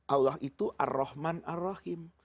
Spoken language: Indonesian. allah itu ar rahman ar rahim